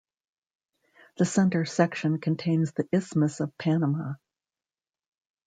The center section contains the Isthmus of Panama.